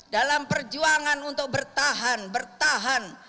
dalam perjuangan untuk bertahan bertahan